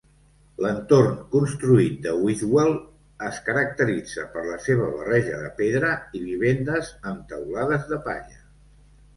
L'entorn construït de Whitwell es caracteritza per la seva barreja de pedra i vivendes amb teulades de palla.